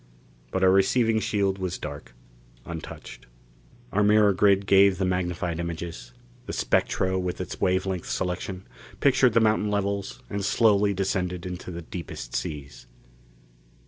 But our receiving shield was dark, untouched. Our mirror grid gave the magnified images; the spectro, with its wave length selection, pictured the mountain levels and slowly descended into the deepest seas.